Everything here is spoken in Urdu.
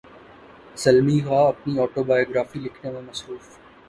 سلمی غا اپنی اٹوبایوگرافی لکھنے میں مصروف